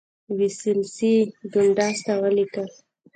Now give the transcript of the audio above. ویلسلي ډونډاس ته ولیکل.